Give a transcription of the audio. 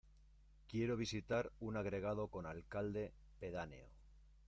Quiero visitar un agregado con alcalde pedáneo.